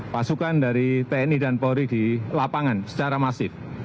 pasukan dari tni dan polri di lapangan secara masif